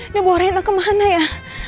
ini bawa rena kemana ya